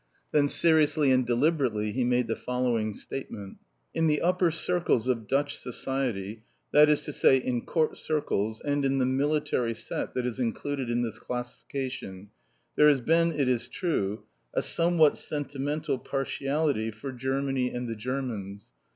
Then seriously and deliberately he made the following statement: "In the upper circles of Dutch Society that is to say, in Court circles and in the military set that is included in this classification there has been, it is true, a somewhat sentimental partiality for Germany and the Germans.